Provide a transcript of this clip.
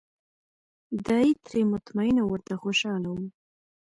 دای ترې مطمین او ورته خوشاله و.